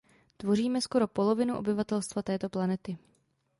Tvoříme skoro polovinu obyvatelstva této planety.